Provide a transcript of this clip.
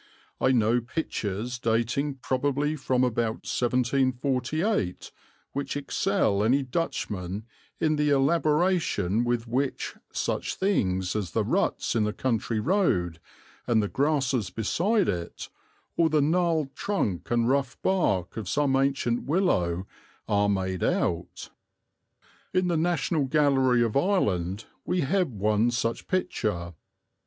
I know pictures dating probably from about 1748 which excel any Dutchman in the elaboration with which such things as the ruts in a country road, and the grasses beside it, or the gnarled trunk and rough bark of some ancient willow, are made out. In the National Gallery of Ireland we have one such picture.